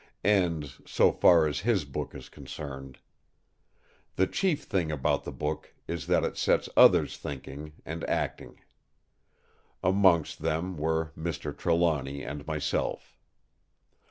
Ends so far as his book is concerned. The chief thing about the book is that it sets others thinking—and acting. Amongst them were Mr. Trelawny and myself.